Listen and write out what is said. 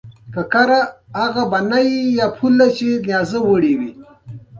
د جوارو پاڼې پلنې دي.